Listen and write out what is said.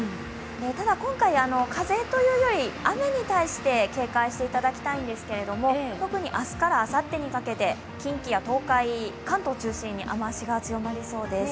ただ、今回、風というより雨に対して警戒していただきたいんですけれども、特に明日からあさってにかけて近畿や東海、関東中心に雨足が強まりそうです。